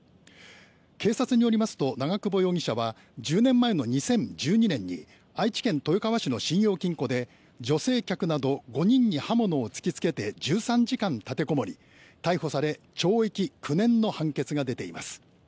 警察によりますと長久保容疑者は１０年前の２０１２年に愛知県豊川市の信用金庫で女性客など５人に刃物を突きつけて１３時間立てこもり、逮捕され懲役９年の判決が出ています。